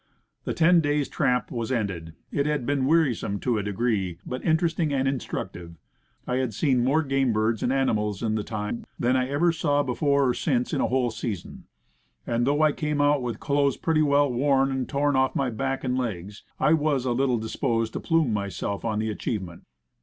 The ten days' tramp was ended. It had been wearisome to a degree, but interesting and instruc tive. I had seen more game birds and animals in the time than I ever saw before or since in a whole season; and, though I came put with clothes pretty well worn and torn off my back and legs, was a little disposed to plume myself on the achievement.